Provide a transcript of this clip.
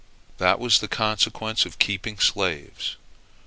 That was the consequence of keeping slaves.